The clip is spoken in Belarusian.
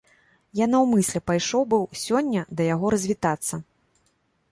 Я наўмысля пайшоў быў сёння да яго развітацца.